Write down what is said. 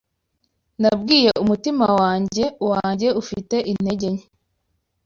Nabwiye umutima wanjye wanjye ufite intege nke: